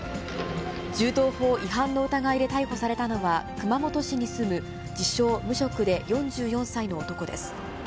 銃刀法違反の疑いで逮捕されたのは、熊本市に住む、自称無職で４４歳の男です。